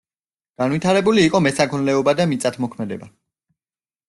განვითარებული იყო მესაქონლეობა და მიწათმოქმედება.